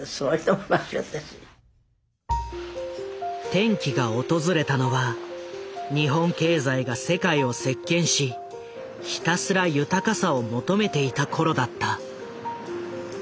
転機が訪れたのは日本経済が世界を席巻しひたすら豊かさを求めていた頃だった。